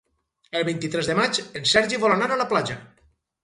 El vint-i-tres de maig en Sergi vol anar a la platja.